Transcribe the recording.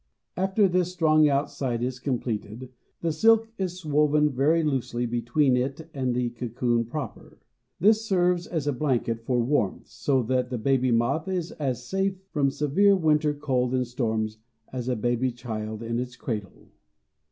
After this strong outside is completed the silk is woven very loosely between it and the cocoon proper. This serves as a blanket for warmth, so that the baby moth is as safe from severe winter cold and storms as a baby child in its cradle.